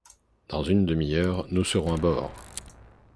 Dans une demi-heure nous serons à bord.